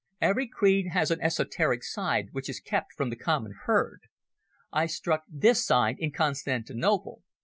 Every creed has an esoteric side which is kept from the common herd. I struck this side in Constantinople.